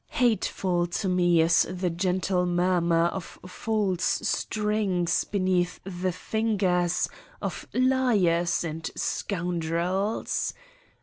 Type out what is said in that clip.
Hateful to me is the gentle murmur of false strings beneath the fingers of liars and scoundrels.